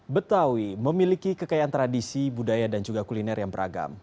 betawi memiliki kekayaan tradisi budaya dan juga kuliner yang beragam